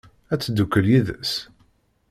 Ad teddukel yid-s?